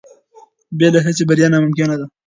بې له هڅې بریا ناممکنه ده.